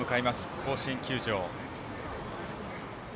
甲子園球場。